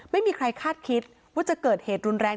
ไม่มีใครคาดคิดว่าจะเกิดเหตุรุนแรง